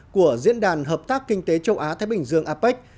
của diễn đàn hợp tác kinh tế châu á thái bình dương apec